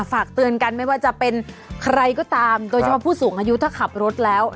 ฝากเตือนกันไม่ว่าจะเป็นใครก็ตามโดยเฉพาะผู้สูงอายุถ้าขับรถแล้ว